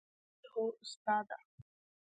ما وويل هو استاده!